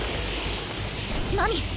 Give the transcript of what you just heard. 何？